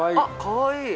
かわいい！